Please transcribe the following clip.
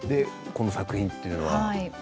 この作品というのは。